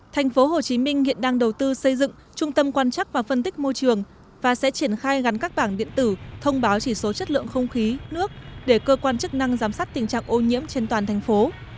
thành phố hồ chí minh hiện đang đầu tư xây dựng trung tâm quan chắc và phân tích môi trường và sẽ triển khai gắn các bảng điện tử thông báo chỉ số chất lượng không khí nước để cơ quan chức năng giám sát tình trạng ô nhiễm trên toàn thành phố